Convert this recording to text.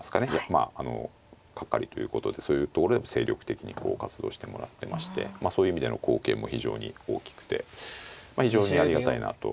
まああの係ということでそういうところでも精力的に活動してもらってましてそういう意味での貢献も非常に大きくて非常にありがたいなと。